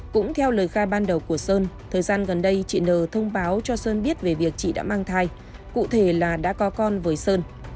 cũng theo lời khai ban đầu của sơn thời gian gần đây chị nờ thông báo cho sơn biết về việc chị đã mang thai cụ thể là đã có con với sơn